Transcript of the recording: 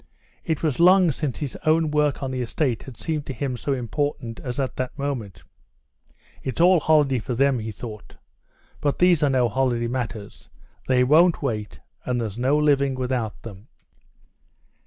It was long since his own work on the estate had seemed to him so important as at that moment. "It's all holiday for them," he thought; "but these are no holiday matters, they won't wait, and there's no living without them."